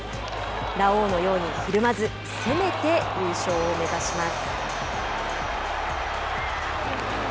ラオウのようにひるまず攻めて優勝を目指します。